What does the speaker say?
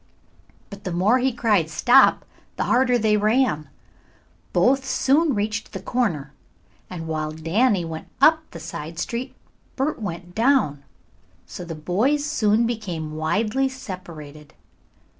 But the more he cried stop the harder they ran. Both soon reached the corner, and while Danny went up the side street, Bert went down, so the boys soon became widely separated.